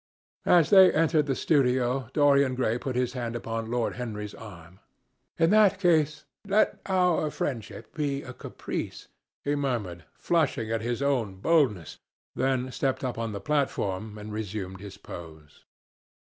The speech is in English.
As they entered the studio, Dorian Gray put his hand upon Lord Henry's arm. "In that case, let our friendship be a caprice," he murmured, flushing at his own boldness, then stepped up on the platform and resumed his pose.